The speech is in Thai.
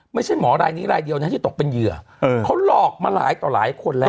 ไม่ใช่หมอรายนี้รายเดียวนะที่ตกเป็นเหยื่อเขาหลอกมาหลายต่อหลายคนแล้ว